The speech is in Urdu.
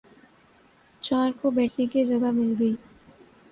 چار کو بیٹھنے کی جگہ مل گئی